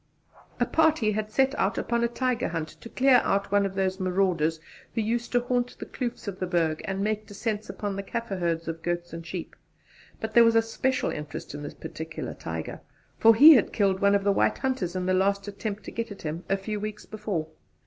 A party had set out upon a tiger hunt to clear out one of those marauders who used to haunt the kloofs of the Berg and make descents upon the Kaffir herds of goats and sheep; but there was a special interest in this particular tiger, for he had killed one of the white hunters in the last attempt to get at him a few weeks before.